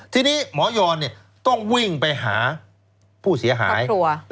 ทีนี้หมอยอนต้องวิ่งไปหาผู้เสียหาย